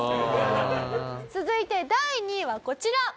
続いて第２位はこちら。